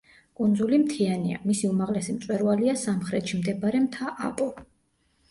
კუნძული მთიანია, მისი უმაღლესი მწვერვალია სამხრეთში მდებარე მთა აპო.